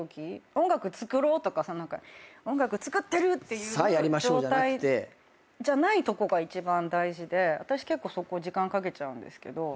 音楽作ろうとか音楽作ってるっていう状態じゃないとこが一番大事で私結構そこ時間かけちゃうんですけど。